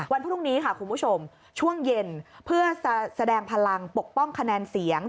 วันพรุ่งนี้ค่ะคุณผู้ชมช่วงเย็นเพื่อแสดงพลังปกป้องคะแนนเสียง